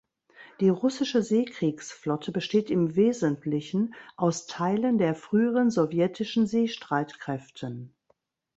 Die russische Seekriegsflotte besteht im Wesentlichen aus Teilen der früheren sowjetischen Seestreitkräften.